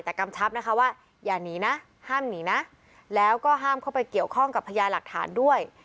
แต่กำชับนะคะว่าอย่าหนีนะห้ามหนีนะแล้วก็ห้ามเข้าไปเกี่ยวข้องกับพญาหลักฐานด้วย